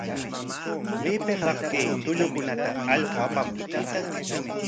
¿Maypikraq kay tullukunata allquqa apamushqa?